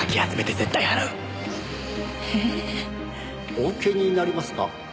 「お受けになりますか？」